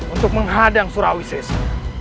untuk menghadang surawi sese